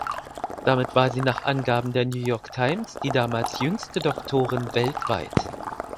Damit war sie nach Angaben der New York Times die damals jüngste Doktorin weltweit.